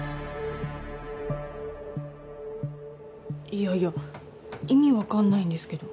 いやいや意味わかんないんですけど。